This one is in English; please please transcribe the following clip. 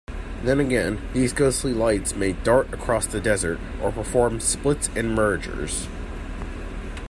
Then again, these ghostly lights may dart across the desert...or perform splits and mergers.